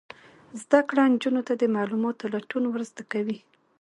زده کړه نجونو ته د معلوماتو لټون ور زده کوي.